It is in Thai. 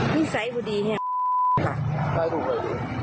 นี่ใส่ก็ดี